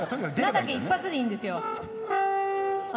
ラだけ一発でいいんですよ。